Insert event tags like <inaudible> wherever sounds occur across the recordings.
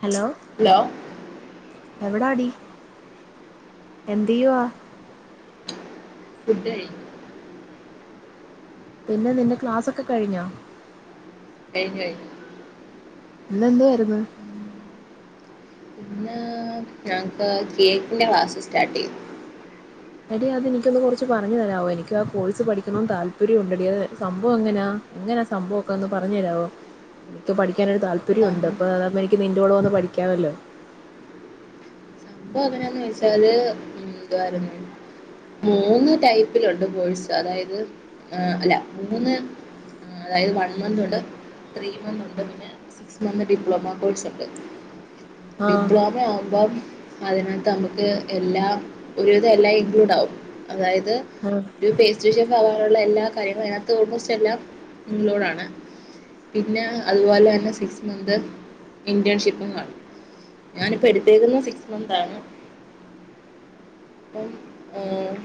Hello hello എവിടടി എന്ത് ചെയ്യവാ? ഫുഡായി. പിന്നെ നിന്റെ ക്ലാസ് ഒക്കെ കഴിഞ്ഞോ? <unintelligible> ഇന്നെന്തുവായിരുന്ന് ഇന്ന്ഞങ്ങൾക്ക്കേക്കിന്റെക്ലാസ്സ് സ്റ്റാർട്ട്യ്തു എടിഅതെനിക്കൊന്ന്കൊറച്ച് പറഞ്ഞുതരാമോഎനിക്ക്ആ കോഴ്സ്പഠിക്കുണെന്ന്താല്പര്യണ്ട്ടി അത് സംഭവങ്ങനെയാ എങ്ങനാ സംഭവംക്കൊന്ന് പറഞ്ഞെരാവോ ഇനിക്ക് പഠിക്കാനൊരുതാല് സം- പര്യോണ്ട് പ്പ അതാവുമ്പ എനിക്ക് നിന്റെകൂടെ വന്ന് പഠിക്കാവല്ലോ അപ്പൊ ങ്ങനെന്ന് വെച്ചാല് ന്തുവാരുന്നു മൂന്ന് ടൈപ്പിലുണ്ട് കോഴസ് അതായത് അല്ല മൂന്ന് അതായത് വൺമന്ത്ണ്ട് ത്രീമന്ത്ണ്ട് പിന്നെ ഇസ്ലാമിക് ഡിപ്ലോമ കോഴ്സ്ണ്ട് ആഹ് ഡിപ്ലോമാവുമ്പം അതിനകത്ത് നമക്ക് എല്ലാം ഒരുവിധം എല്ലാം ഇൻക്ലൂഡാകും അതായത് ആഹ് ഒരു പേസ്റ്റ്രിഷെഫ്വാവാനുള്ള എല്ലാ കാര്യങ്ങളും അയിനകത്ത് ഓൾമോസ്റ്റെല്ലാം ഇൻക്ലോഡാണ് പിന്നെ അതുപോലെന്നെ സിക്സ് മന്ത് ഇന്റേണ്ഷിപ്പും കാണും ഞാനിപ്പ എടുത്തേക്കുന്ന് സിക്സ്മന്താണ് പ്പം ആഹ്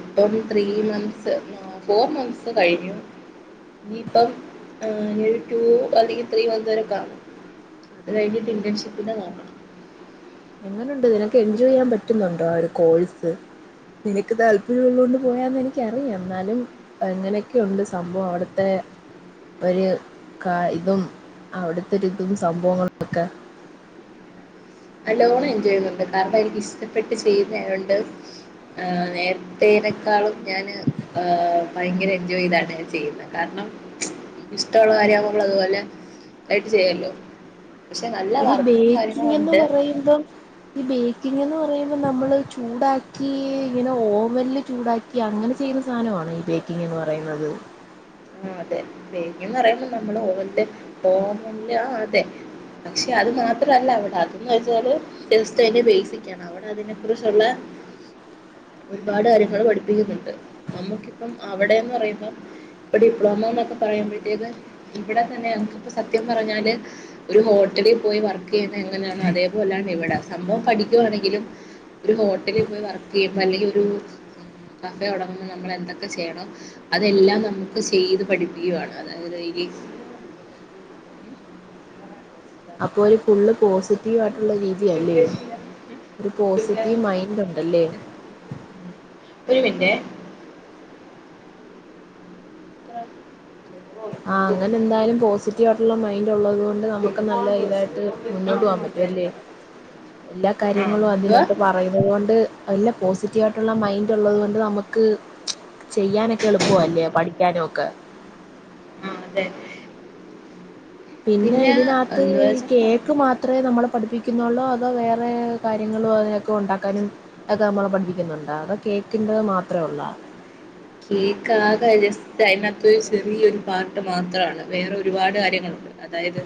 ഇപ്പം ത്രീമന്ത്സ് ആ ഫോർമന്ത്സ് കഴിഞ്ഞു ഇനിയിപ്പം ഏഹ് നിയൊരു റ്റൂ അല്ലെങ്കി ത്രീമന്ത് വരെ കാണും അത് കഴിഞ്ഞിട്ട് ഇന്റേൺഷിപ്പിന്റെതാണ്. എങ്ങനുണ്ട് ഇതിനൊക്കെ എൻജോയയ്യാൻ പറ്റുന്നുണ്ടോ ആ ഒരു കോഴ്സ് നിനിക്ക് താല്പര്യംള്ളോണ്ട് പോയാന്ന് എനിക്കറിയാം ന്നാലും എങ്ങനെയൊക്കെയുണ്ട് സംഭവം അവിട്ത്തെ ഒര് കാ ഇതും അവിടത്തരുതും സംഭവങ്ങളൊക്കെ നല്ലോണം എൻജോയയ്യുന്നുണ്ട് കാരണം എനിക്കിഷ്ടപ്പെട്ട് ചെയ്ന്നായോണ്ട് ഏ നേര് ന്തിനെക്കാളും ഞാന് ആ ഭയങ്കര എൻജോയയ്താണ് ചെയ്യുന്നെ കാരണം ഇഷ്ട്ട ഉള്ള കാര്യവുമ്പ മ്മളത് പോലെ ആയിട്ട് ചെയ്യല്ലോ പക്ഷെ നല്ലവർക്കും കാര്യങ്ങളുണ്ട് കയിമ്പോ ബേക്കിങ്ങെന്ന് പറയുമ്പോ നമ്മള് ചൂടാക്കി ഇങ്ങനെ ഓവൻല് ചൂടാക്കി അങ്ങനെ ചെയ്യുന്ന സാധനണോ ഈ ബേക്കിങ്ങ് എന്ന് പറയുന്നത് ആ അതെ ബേക്കിന്നറയുമ്പോ നമ്മള് ഓവൻല് ഓവൻല് ആ അതെ പക്ഷെ അത് മാത്രല്ലവ്ടെ അതന്ന് വെച്ചാല് ജെസ്റ്റ് അയ്ന്റെ ബേസിക് ക്കേണ് അവിടെ അതിനെ കുറിച്ചുള്ള ഒരുപാട് കാര്യങ്ങള് പഠിപ്പിക്കുന്നുണ്ട് നമുക്കിപ്പം അവിടെന്ന് പറയുമ്പം ഇപ്പ ഡിപ്ലോമ എന്നൊക്കെ പറയുമ്പഴത്തേക്ക് ഇവിടെ തന്നെ നമുക്കിപ്പോ സത്യം പറഞ്ഞാല് ഒരു ഹോട്ടലിപോയി വർക്കെയ്യുന്നെ ങ്ങനെയാണ് അതേപോലെയാണിവിടെ സംഭവം പഠിക്കുവാണെങ്കിലും ഒരു ഹോട്ടലിപോയി വർക്കെയ്യുമ്പോ അല്ലെങ്കിഒരു കഫെ തുടങ്ങുമ്പ നമ്മളെന്തൊക്കെ ചെയ്യണം അതെല്ലാം നമ് ക്ക് ചെയ്ത് പഠിപ്പിക്കുകയാണ് അതായത് അയ്ല് അപ്പോര് ഫുള്ള് പോസിറ്റ് റ്റീവായിട്ടുള്ള രീതിയല്ലേ ഒരു പോസിറ്റീവ് മൈൻഡ്ണ്ടല്ലേ ഉം ഒരു മിൻറ്റെ ആഹ് ആ അങ്ങനെന്തായാലും പോസിറ്റീവായിട്ടുള്ള മൈൻഡ് ഉള്ളത്കൊണ്ട് നമുക്ക് നല്ല ഇതായിട്ട് ആ മുന്നോട്ട് പോകാൻ വണ്ടി പറ്റും അല്ലേ എടുത്തത് എല്ലാ ആ കാര്യങ്ങളും എന്തുവാ അതിനോട്ട് പറയുന്നത് കൊണ്ട് അല്ല പോസിറ്റീവായിട്ടുള്ള മൈൻഡ് ള്ളത്കൊണ്ട് നമക്ക് ചെയ്യാനൊക്കെ എളുപ്പവാ ല്ലേ പഠിക്കാനൊക്കെ ആ അതെ പിന്നെ ഇതിനകത്ത് എന്തുവാ ഈകേ വെച്ചാൽ ക്ക് മാത്രെ നമ്മളെ പഠിപ്പിക്കുന്നുള്ളൂ അതോ വേറെ കാര്യങ്ങളോക്കെ ഉണ്ടാക്കാനും അത് നമ്മളെ പഠിപ്പിക്കുന്നുണ്ടോ അതൊ കേക്കിന്റെ മാത്രെള്ളോ കേക്കാകെ ജെസ്റ്റ് അയ്നത്ത് ഒരു സെറിയൊരുപാട്ട് മാത്രാണ് വേറെ ഒരുപാട് കാര്യങ്ങളുണ്ട് അതായത്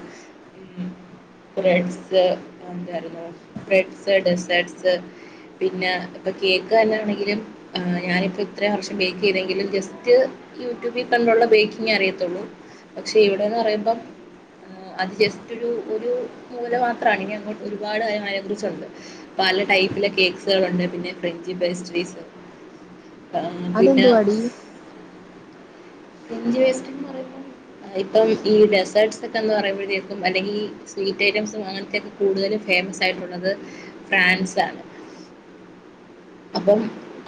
റെഡ്സ് ന്താരുന്നു ബ്രഡ്സ് ഡ്സർട്സ് പിന്നെ ഇപ്പൊ കേക്ക് ന്നാണെങ്കിലും ഞാനിപ്പോ ഇത്രേ വർഷ ബേക്ക്യ്തെങ്കിലും ജസ്റ്റ് യൂട്യൂബി കണ്ടുള്ള ബേ‌ക്കിങ്ങെ അറിയത്തുള്ളൂ പക്ഷെ ഇവിടെന്ന് പറയുമ്പം അത് ജസ്റ്റ് ഒരു ഒരു മൂല മാത്രണ് ഇനി അങ്ങോട്ട് ഒരുപാട് കാര്യങ്ങള് അയിനെക്കുറിച്ചുണ്ട് പല ടൈപ്പിലെ കേക്ക്സേളുണ്ട് പിന്നെ ഫ്രഞ്ച്പേസ്ട്രീസ് അതെന്തു വാടി ഫ്രെഞ്ച് വേസ്റ്റ്ന്ന് പറയുമ്പോ ഇപ്പം ഈ ഡെസേട്സ് ഒക്കെന്ന് പറയുമ്പോഴത്തേക്കും അല്ലെങ്കി സ്വീറ്റ് ഐറ്റംസും അങ്ങനത്തൊക്കെ കൂടുതലും ഫേമസ് ആയിട്ടുള്ളത് ഫ്രാൻസാണ് അപ്പം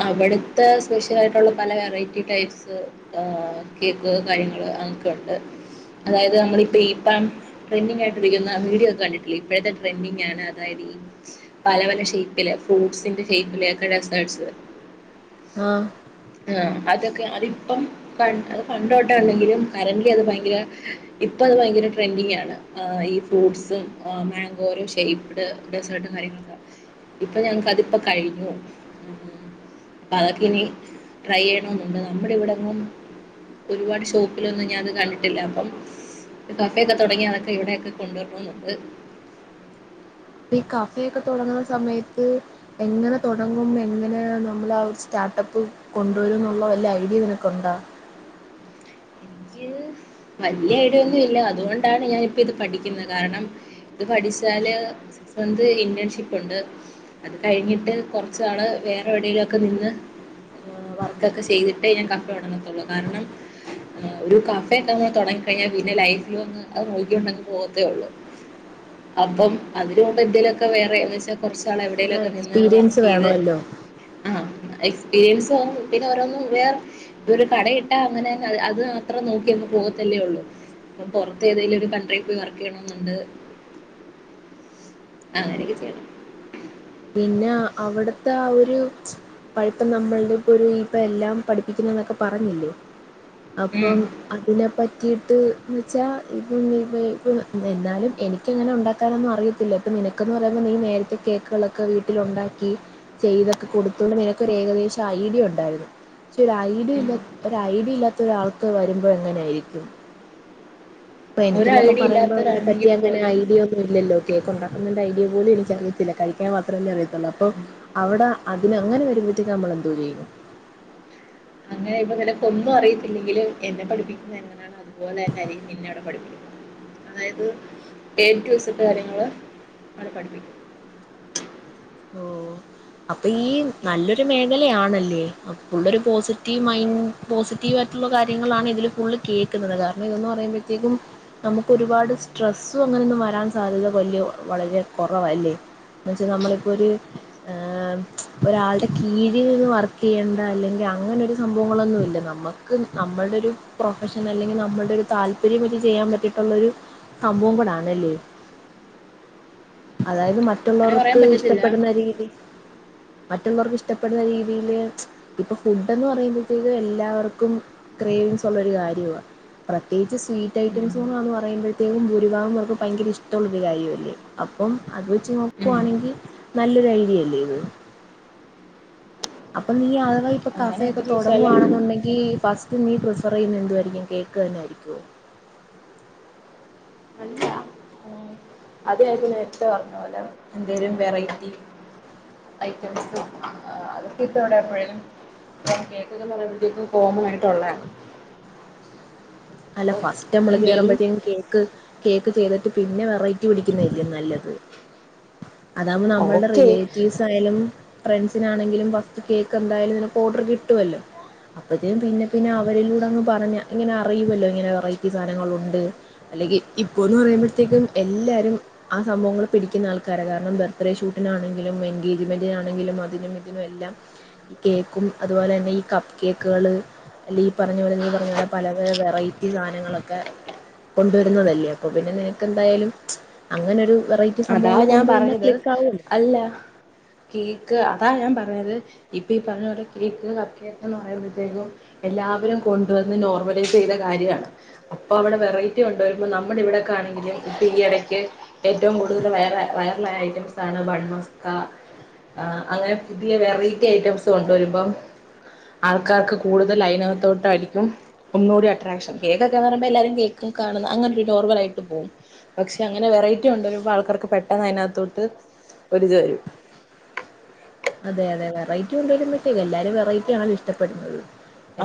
അവടത്തെ സ്പെഷ്യൽ ആയിട്ടുള്ള പല വെറൈറ്റി ടൈപ്സ് ഏ കേക്ക് കാര്യങ്ങള് അങ്ങൊക്കെ ണ്ട് അതായത് നമ്മളീ പാം ട്രെൻഡിങ് ആയിട്ടിരിക്കുന്ന വീഡിയോ ഒകെ കണ്ടിട്ടില്ലേ ഇപ്പോഴത്തെട്രൻഡി ആണ് അതായത്ഈ <unintelligible> പല പല ഷേപ്പില് ഫ്രൂട്ട്സിന്റെ ഷേപ്പിലൊക്കെ ഡെസേഡ്സ് ആഹ് ആഹ അതൊക്കെ അതിപ്പം ക അത് പണ്ടോട്ടെ ഉണ്ടങ്കിലും കരന്റ്ലി അത് ഭയങ്കര ഇപ്പൊ അത് ഭയങ്കര ട്രെൻഡിങ് ആണ് ഈ ഫ്രൂട്ട്സും മാങ്കോര ഷേയ്പ്പും ഡെ ഡെസേർട്ടും കാര്യങ്ങളൊക്കെ ഇപ്പൊ ഞങ്ങക്കതിപ്പോ കഴിഞ്ഞു ഉം അപ്പൊ അതൊക്കെ ഇനി ട്രൈ യ്യണോന്നുണ്ട് നമ്മളിവിടെങ്ങും ഒരുപാട് ഷോപ്പിലൊന്നും ഞാ ഇത് കണ്ടിട്ടില്ല അപ്പം ഒര് കഫെയൊക്കെ തൊടങ്ങി അതൊക്കെ ഇവിടെയൊക്കെ കൊണ്ടുവരണംന്നുണ്ട് പ്പം ഈ കഫയൊക്കെ തൊടങ്ങ്ണ സമയത്ത് എങ്ങനെ തൊടങ്ങും എങ്ങനെ നമ്മൾ ആ ഒരു സ്റ്റാട്ടപ്പ് കൊണ്ടുവരും ന്നുള്ള വല്യഐഡിയ യും നിനക്കുണ്ടോ വല്യ ഐയ്ഡിന്നുഇല്ല അതുകൊണ്ടാണ് ഞാനിപ്പ ഇത് പഠിക്ക്ന്ന് കാരണം ഇത് പഠിച്ചാല് സന്ത് ഇന്റൻഷിപ്പ് ഉണ്ട് അത് കഴിഞ്ഞിട്ട് കൊറച്ചാള് വേറെവിടേലൊക്കെ നിന്ന് ഏ വർക്കൊക്കെ ചെയ്തിട്ടേ ഞാൻ കഫ തൊടങ്ങത്തുള്ളൂ കാരണം ഒരു കഫ് പെട്ടെന്ന് തൊടങ്ങി കഴിഞ്ഞാൽ പിന്നെ ലൈഫിൽ വന്ന് അത് നോക്കികൊണ്ട് പോകത്തേ ഉള്ളൂ അപ്പം അതിനു മുമ്പ് എന്തേലൊക്കെ വേറെ എന്ന് വെച്ചാ കൊറച്ചാള് അത് എവിടേലൊക്കെ നിന്ന് എക്സ്പീരിയൻസ് വർക്കെയ്ത് വേണമല്ലോ ആഹ എക്സ്പീരിയൻസ് ആകും പിന്നെ ഓരോന്ന് വേറെ ഇതൊരു കടയിട്ടാ അങ്ങനെ അത് മാത്രം നോക് കിങ് പോവത്തല്ലേ ഉള്ളു അപ്പൊ പുറത്തേതേലും ഒരു കൺട്രി പോയി വർക്ക്യ്യണന്നുണ്ട് അങ്ങനൊക്കെ ചെയ്യണം പിന്നെ അവിടത്തെ ആ ഒരു പട്ത്തം നമ്മളുടെ ഇപ്പൊ ഒരു ഇപ്പ എല്ലാം പഠിപ്പിക്കണംന്നൊക്കെ പറഞ്ഞില്ലേ ഉം അപ്പം അതിനെപ്പറ്റിയിട്ട് എന്ന് വെച്ചാൽ ഇപ്പം ഇപ്പം എന്നാലും എനിക്ക് ക്ക്‌ ഇങ്ങനെ ഉണ്ടാക്കാനൊന്നും അറിയത്തില്ല പ്പം നിനക്കെന്ന് പറയുമ്പോ നീ നേരത്തെ കേക്ക് ക്ക്‌ളൊക്കെ വീട്ടില് ഉണ്ടാക്കി ചെയ്തൊകെ കൊടുത്തോണ്ട് നിനക്ക് ഒരു ഏകദേശം ഐയ്ഡിയ ഉണ്ടായിരുന്നു ക് ഒരു ഐഡിയ ഉം ഇല്ലാ ഒരു ഐഡിയ ഇല്ലാത്ത ഒരാൾക്ക് വരുമ്പോ എങ്ങനെയായിരിക്കും അപ്പം ഒരു എനിക്കന്നൊക്കെ ഐഡിയ പറയുമ്പോ അതിനെറ്റി ഇല്ലാത്തവരാണെങ്കിൽ അങ്ങനെ പോലും ഐഡിയ ഒന്നു ഇല്ലല്ലോ കേക്ക് ഉണ്ടാകുന്ന ഐഡിയപോലും എനിക്കറിയത്തില്ല കഴിക്കാൻ മാത്രമല്ലേ അറിയത്തുള്ളൂ അപ്പം അവിടെ അതിന് അങ്ങനെ വരുമ്പോത്തേക്കും നമ്മള് എന്തു ചെയ്യും അങ്ങനെ ഇപ്പ നിനക്ക്‌ ഒന്നും അറയിത്തില്ലങ്കല് എന്നെ പഠിപ്പിക്കുന്ന എങ്ങന അതുപലെന്നെ അയ്രികും നിന്നെവിടെ പഠിപ്പിക്കുന്നത് അതായത് പേറ്റുസറ്റ് കാര്യങ്ങള് അവിടെ പഠിപ്പിക്കും ഓ അപ്പൊ ഈ നല്ലൊരു മേഖലയാണല്ലേ അപ്പൊ ഒള്ളൊരു പോസിറ്റീവ് അതെ, മൈൻഡ് പോസിറ്റീവ് ആയിട്ടുള്ള കാര്യങ്ങളാണ് ഇതില് ഫുള് കേൾക്കുന്നത് കാരണം ഇതെന്ന് പറയുമ്പോഴത്തേക്കും നമുക്ക് ഒരുപാട് സ്ട്രെസ്സും അങ്ങനെൊന്നും വരാൻ സാധ്യത വല്യ വളരെ കുറവല്ലേ എന്ന വെച്ചാൽ നമ്മളിപ്പോ ഒരു ഒരാളുടെ കീഴിൽ നിന്ന് വർക്ക് ചെയ്യേണ്ട അല്ലെങ്കിൽ അങ്ങനെ ഒരു സംഭവങ്ങളൊന്നുമില്ല നമ്മൾ ക്ക്നമ്മളുടെ ഒരു പ്രൊഫഷൻ അല്ലെങ്കിൽ നമ്മുടെ ഒരു താല്പര്യം ചെയ്യാൻ പറ്റിയിട്ടുള്ള ഒരു. സംഭവം കൂടണല്ലേ അതായത് അങ്ങനെ പറയാൻ മറ്റുള്ളവർക്ക് ഇഷ്ട പറ്റത്തില്ല രീതി മറ്റുള്ളവർക്ക് ഇഷ്ടപ്പെടുന്ന രീതിയില് ഇപ്പൊ ഫുഡ്ന്ന് പറയുമ്പോഴത്തേും എല്ലാവർക്കും <unintelligible> ഉള്ള ഒരു കാര്യവാ പ്രത്യേകിച്ച് സ്വീറ്റ് ഉം ഐറ്റംസന്ന് പറയുമ്പോഴത്തേക്കും ഭൂരിാഗം പേർക്കും ഭയങ്കര ഇഷ്ടമുള്ള ഒരു കാര്യമല്ലേ അപ്പം അത് വെച്ച് ഉം നോക്കുവാണെങ്കിൽ നല്ലൊരു ഐഡിയ അല്ലേ ഇത് അപ്പൊ ഈ ആളുകൾ ഇപ്പൊ കഫയൊക്കെ അങ്ങനെയൊക്കെ ചോദിച്ചാല് തുടങ്ങുകവാണെന്നുണ്ടെങ്കി ഫസ്റ്റ് ഇത് നീ പ്രിഫർ ചെയ്യുന്ന എന്തുവായിരിക്കും കേക്ക് തന്നെ ആയിരിക്കുമോ അല്ല ഓ അതാ ഇപ്പോ നേത്തെ പറഞ്ഞ പോലെ എന്തേലും വെറൈറ്റി ഐറ്റസ്അതൊക്കെ ഇത്ത എവിടെ എപ്പോഴാലും <unintelligible> കേക്കൊക്ക പറയാൻ വേണ്ടൊക്ക കോമ ആയിട്ടള്ള അല്ല ഫസ്റ്റ് നമ്മള് എന്തേലും കേറുമ്പത്തേുകും കേക്ക് കേക്ക് ചെയ്തിട്ട് പിന്നെ വെറൈറ്റി പിടിക്കുന്നല്ലേ നല്ലത് അതാവുമ്പോ നമ്മളുടെ കേക്ക് റിലേറ്റീവ്സ് എന്തായാലും ഫ്രണ്ട്സിനാണെങ്കിലും ഫസ്റ്റ് കേക്ക് എന്തായാലും നിനക്ക് ഓർഡർ കിട്ടുവല്ലോ അപ്പത് പിന്നെ പിന്നെ അവരിലൂടെങ് പറഞ്ഞ ഇങ്ങനെ അറിയുമല്ലോ ഇങ്ങനെ വെറൈറ്റി സാധങ്ങളുണ്ട് അല്ലെങ്കി ഇപ്പോന്ന് പറയുമ്പോഴത്തേക്കും എല്ലാരും ആ സംഭവങ്ങള് പിടിക്കുന്ന ആൾക്കാരെ കാരണം ബർത്ത്ഡേ ഷൂട്ടിനാണെങ്കിലും എൻഗേജ്മെന്റിനാണെങ്കിലും അതിനും പിന്നെ എല്ലാം ഈ കേക്കും അതുപോലെ തന്നെ ഈ കപ്പ് കേക്കുകൾ അല്ലെങ്ക നീ പറഞ്ഞ പോലെങ്ക പറഞ്ഞ പോലെ പല വെറൈറ്റി സാധനങ്ങളൊക്കെ. കൊണ്ടുവരുന്നതല്ലേ അപ്പൊ പിന്നെ നിനക്ക് എന്തായാലും അങ്ങനെരു വെറൈ അതാ ഞാൻ പറഞ്ഞത് അല്ല കേക്ക് അതാണ് ഞാൻ പറഞ്ഞത് ഇപ്പ ഈ പറഞ്ഞ പോല കേക്ക് കപ്പ് കേക്ക് എന്ന് പറയുമ്പോഴത്തേക്കും എല്ലാവരും കൊണ്ടുവന്ന് നോർമലൈസ് ചെയ്ത കാര്യാണ് അപ്പൊ അവിടെ വെറൈറ്റി കൊണ്ട വരുമ്പോ നമ്മുടെ ഇവിടെക്കെ ആണെങ്കിലും ഇപ്പൊ ഈ ഇടയ്ക്ക് ഏറ്റവും കൂടുതൽ വയറ വയറലായ ഐറ്റംസ് ആണ് ബൺ മസ്ക ആ അങ്ങനെ പുതിയ വെറൈറ്റി ഐറ്റംസ് കൊണ്ടുവരുമ്പം ആൾക്കാർക്ക് കൂടുതൽ അയിനകത്തോട്ട് ആയിരിക്കും ഒന്നോടി അട്രാക്ഷൻ കേക്കൊക്കന്ന് പറുമ്പോ എല്ലാരും കേക്കും കാണുന്ന അങ്ങനൊരു നോർമലായിട്ട് പോകും പക്ഷെ അങ്ങനെ വെറൈറ്റി കൊണ്ടുവരുമ്പോ ആൾക്കാർക്ക് പെട്ടെന്ന് അയിനകത്തോട്ട് ഒരിതു വരും അതെ അതെ വെറൈറ്റി കൊണ്ടുവരുമ്പറ്റേക്കോ എല്ലാരും വെററ്റി ആണല്ല ഇഷ്ടപ്പെടുന്നത്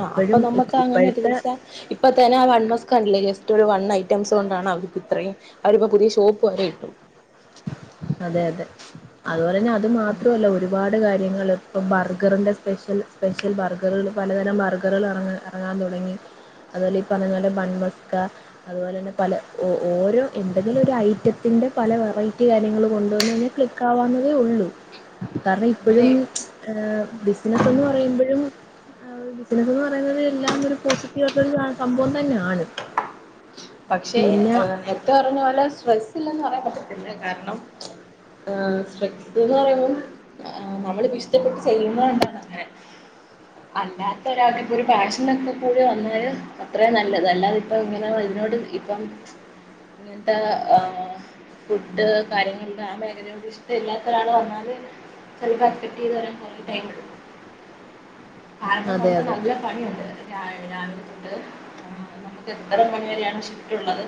ആഹ് അപ്പൊ ഇ നമുക്ക് അങ്ങനെ ഒരിത് ഇപ്പഴത്തെ വച്ചാ ഇപ്പ തന്നെ <unintelligible> ജസ്റ്റ് ഒരു വൺ ഐറ്റംസ് കൊണ്ടാണ് അവർ ഇത്രയും അവരിപ്പോ പുതിയഷോപ്പ് വരെ ഇട്ടു അതെ അതെ അതുപോലെ തന്നെ അത് മാത്രല്ല ഒരുപാട് കാര്യങ്ങൾ ഇപ്പം ബർഗറിന്റെ സ്പെഷ്യൽ സ്പെഷ്യൽ ബർഗറുകൾ പലതരം ബർഗറുകൾ ഇറങ്ങ ഇറങ്ങാൻ തുടങ്ങി അതുപോലെ ഈ പറഞ്ഞ പോലെ ബൺമസ്ക അതുപോലെ തന്നെ പല ഓരോ എന്തെങ്കിലും ഒരു ഐറ്റത്തിന്റെ പല വെറൈറ്റി- കാര്യങ്ങളും കൊണ്ടുവന്ന് കഴിഞ്ഞ ക്ലിക്ക് ആകാവുന്നതേ ഉള്ളൂ കാരണം ഇപ്പോഴും അതെ ആഹ് ബിസിനസ് എന്ന് പറയുമ്പോഴും ആഹ് ഒരു ബിസിനസ് എന്ന് പറയുന്നത് എല്ലാം ഒരു പോസിറ്റീവ് ആയിട്ടുള്ള ഒരു സംഭവം തന്നെയാണ് പക്ഷേ പിന്നെ നേരത്തെ പറഞ്ഞ പോലെ സ്ട്രെസ്സ് ഇല്ലെന്ന് പറയാൻ പറ്റത്തില്ല കാരണം ആഹ് സ്ട്രസ്സെന്ന് പറയുമ്പം ആഹ് നമ്മളിപ്പ ഇഷ്ടപ്പെട്ട് ചെയ്യുന്ന കൊണ്ടാണ് അങ്ങനെ <inaudible> അല്ലാത്ത ഒരാൾക്ക് ഇപ്പോ ഒരു പാഷനൊക്കെകൂടി വന്നാല് അത്രേ നല്ലത് അല്ലാതെ ഇപ്പോ ഇങ്ങനെ വര് ന്നോട് ഇപ്പം ഇങ്ങനത്തെ ആഹ് ഫുഡ് കാര്യങ്ങള് ആ മേഖലയോട് ഇഷ്ട്ടം ഇല്ലാത്ത ഒരാള് വന്നാല് ചെലപ്പോ അസ്പറ്റ് ചെയ്ത് വരാൻ കുറെ ടൈം എടുക്കും. <inaudible> കാരണം നമ്മുക്ക് അതെ നല്ല പണിയുണ്ട് രാവിലെ തൊട്ട് നമ്മുക്ക് എത്ര മണി വരെയാ ഷിഫ്റ്റൊള്ളത്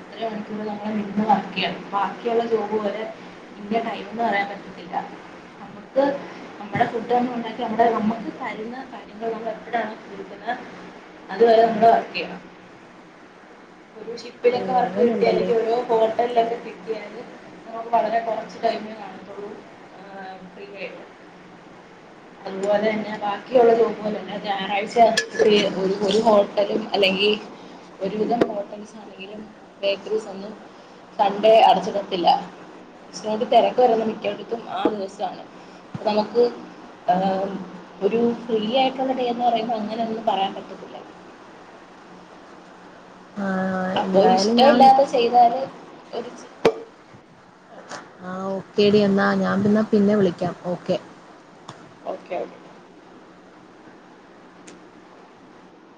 അത്രേം മണിക്കൂറ് നമ്മള് നിന്ന് വർക്ക് ചെയ്യണം ബാക്കിയൊള്ള ജോബ് പോലെ ഇന്ന ടൈമെന്ന് പറയാൻ പറ്റത്തില്ല നമ്മുക്ക് നമ്മടെ ഫുഡോന്നും ഒണ്ടാക്കി നമ്മടെ നമ്മക്ക് തരുന്ന കാര്യങ്ങള് നമ്മളെപ്പഴാണോ കൊട്ക്ക്ന്നേ അത് വരെ നമ്മള് വർക്ക് ചെയ്യണം. ഒരു ഓ ഷിപ്പിലൊക്കെവർക്ക് കിട്ടി അങ്ങനുണ്ടല്ലേ അല്ലെങ്കി ഒരു ഹോട്ടലിലൊക്കെ കിട്ടി ചെയ്യാന് നമ്മക്ക് വളരെ കുറച്ച് ടൈമേ കാണത്തൊള്ളൂ ഫ്രീയായിട്ട്. അതുപോലെ തന്നെ ബാക്കിയൊള്ള ജോബ്പോലെ അല്ല ഞായറാഴ്ച ഫ്രീ ഒരു ഹോട്ടലും അല്ലെങ്കി ഒരു വിധം ഹോട്ടൽസാണെങ്കിലും ബേക്കറീസൊന്നും സൺഡേ അടച്ചിടത്തില്ല ഇച്ചിരേകൂടി തിരക്ക് വരുന്ന മിക്കടത്തും ആ ദിവസമാണ്. നമ്മക്ക് ആഹ് ഒരു ഫ്രീയായിട്ടുള്ള ഡേ എന്ന് പറയുമ്പോ അങ്ങനെ ഒന്നും പറയാൻ പറ്റത്തില്ല. ആഹ് അപ്പോ ഇഷ്ട്ടവില്ലാത്തത് ചെയ്താല് ഒരിച്ചിരി ആഹ് ഓക്കേടി എന്നാ ഞാൻ എന്നാ പിന്നെ വിളിക്കാം ഓക്കെ. ഓക്കെ. ഓക്കെ.